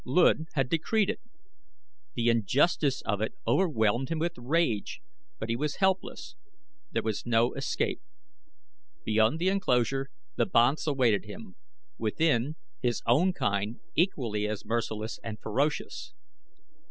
Luud had decreed it. The injustice of it overwhelmed him with rage. But he was helpless. There was no escape. Beyond the enclosure the banths awaited him; within, his own kind, equally as merciless and ferocious.